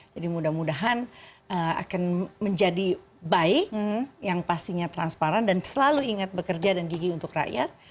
jadi mudah mudahan akan menjadi baik yang pastinya transparan dan selalu ingat bekerja dan gigi untuk rakyat